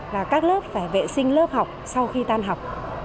và các lớp phải vệ sinh lớp học sau khi tan học